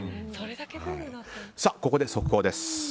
ここで、速報です。